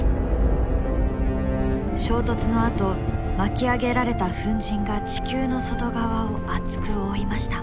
衝突のあと巻き上げられた粉じんが地球の外側を厚く覆いました。